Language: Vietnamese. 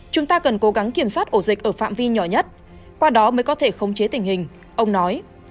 chúng ta cần cố gắng kiểm soát ổ dịch ở phạm vi nhỏ nhất qua đó mới có thể khống chế tình hình ông nói